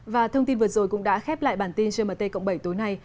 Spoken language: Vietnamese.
và thông tin vừa rồi cũng đã khép lại bản tin gmt cộng bảy tối nay